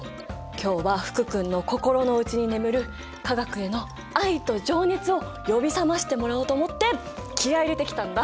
今日は福君の心の内に眠る化学への愛と情熱を呼び覚ましてもらおうと思って気合い入れてきたんだ。